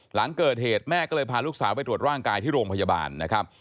หลังเกิดเหตุแม่ก็เลยพาลูกสาวไปตรวจร่างกายที่โรงพยาบาลนะครับ